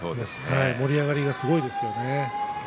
盛り上がりがすごいですよね。